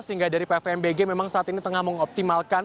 sehingga dari pfmbg memang saat ini tengah mengoptimalkan